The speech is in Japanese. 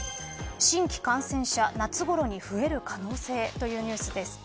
新規感染者夏ごろに増える可能性というニュースです。